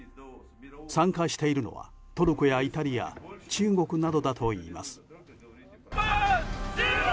参加しているのはトルコやイタリア中国などだといいます。